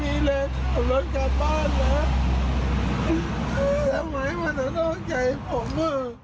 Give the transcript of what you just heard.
แต่เหมือนเขาโทรใจผม